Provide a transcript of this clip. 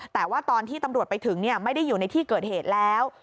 แต่ว่าตอนที่ตำรวจไปถึงไม่ได้อยู่ในที่เกิดเหตุแล้ว